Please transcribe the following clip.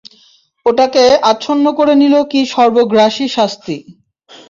ওটাকে আচ্ছন্ন করে নিল কী সর্বগ্রাসী শাস্তি!